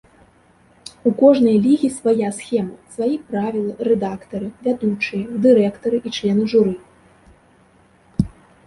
У кожнай лігі свая схема, сваі правілы, рэдактары, вядучыя, дырэктара і члены журы.